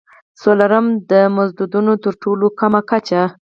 څلورم: د مزدونو تر ټولو کمه کچه.